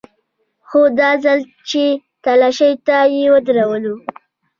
خو دا ځل چې تلاشۍ ته يې ودرولو.